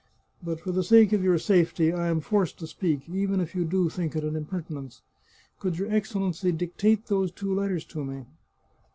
But for the sake of your safety, I am forced to speak, even if you do think it an impertinence. Could not your Excellency dictate those two letters to me?